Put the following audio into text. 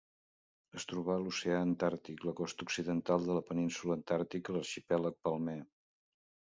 Es troba a l'oceà Antàrtic: la costa occidental de la península Antàrtica i l'arxipèlag Palmer.